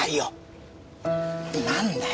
何だよ。